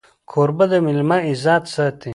کوربه د مېلمه عزت ساتي.